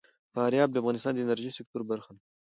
فاریاب د افغانستان د انرژۍ سکتور برخه ده.